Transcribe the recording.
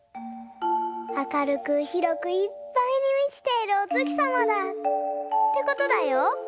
明るくひろくいっぱいにみちているお月さまだ」ってことだよ。